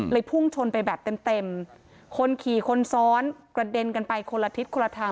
พุ่งชนไปแบบเต็มเต็มคนขี่คนซ้อนกระเด็นกันไปคนละทิศคนละทาง